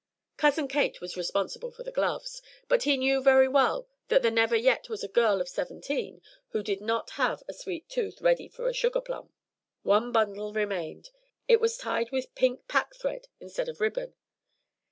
Cousin Kate was responsible for the gloves, but he knew very well that there never yet was a girl of seventeen who did not have a sweet tooth ready for a sugar plum. One bundle remained. It was tied with pink packthread instead of ribbon.